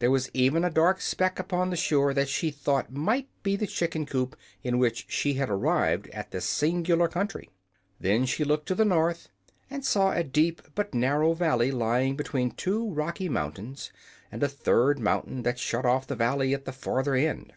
There was even a dark speck upon the shore that she thought might be the chicken coop in which she had arrived at this singular country. Then she looked to the north, and saw a deep but narrow valley lying between two rocky mountains, and a third mountain that shut off the valley at the further end.